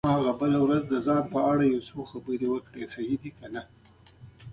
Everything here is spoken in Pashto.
احمد ډېر ګرځېدلی انسان دی.